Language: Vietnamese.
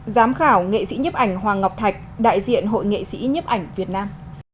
giám khảo nghệ sĩ nhiếp ảnh hoàng ngọc thạch đại diện hội nghệ sĩ nhiếp ảnh việt nam